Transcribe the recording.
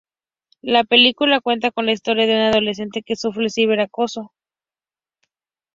La película cuenta la historia de una adolescente que sufre de cyber acoso.